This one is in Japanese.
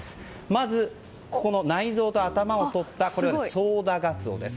まず、内臓と頭をとったソウダガツオです。